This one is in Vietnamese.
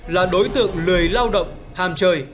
là đối tượng lười lao động hàm trời